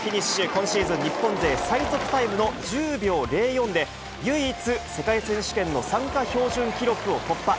今シーズン日本勢最速タイムの１０秒０４で、唯一、世界選手権の参加標準記録を突破。